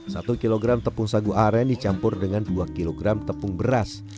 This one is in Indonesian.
satu kilogram tepung sagu aren dicampur dengan dua kg tepung beras